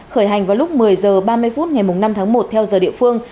khởi hành vào lúc một mươi h ba mươi phút ngày năm tháng một theo giờ địa phương